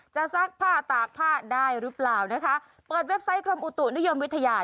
ซักผ้าตากผ้าได้หรือเปล่านะคะเปิดเว็บไซต์กรมอุตุนิยมวิทยา